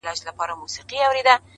صبر د اوږد انتظار ښکلا ده!